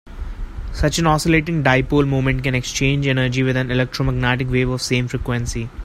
Such an oscillating dipole moment can exchange energy with an electromagnetic wave of same frequency.